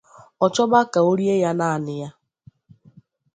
ọ chọba ka o rie ya nanị ya